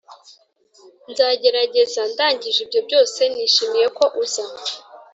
nzagerageza ] ndangije ibyo byose. ] nishimiye ko uza.